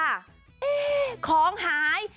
เอ๊ะของหาย